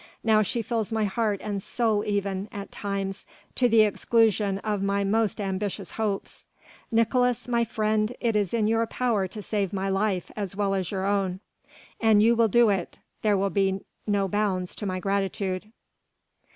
Now she fills my heart and soul even at times to the exclusion of my most ambitious hopes. Nicolaes my friend it is in your power to save my life as well as your own: an you will do it, there will be no bounds to my gratitude."